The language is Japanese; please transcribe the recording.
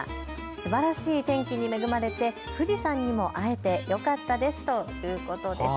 すばらしい天気に恵まれて富士山にも会えてよかったですということです。